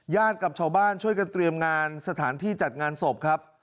กับชาวบ้านช่วยกันเตรียมงานสถานที่จัดงานศพครับ